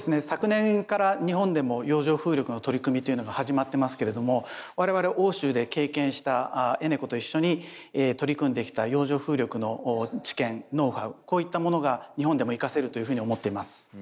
昨年から日本でも洋上風力の取り組みというのが始まってますけれども我々欧州で経験したＥｎｅｃｏと一緒に取り組んできた洋上風力の知見ノウハウこういったものが日本でも生かせるというふうに思っています。